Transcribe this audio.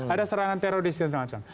ada serangan teroris dan semacam